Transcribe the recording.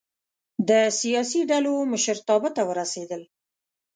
د سیاسي ډلو مشرتابه ته ورسېدل.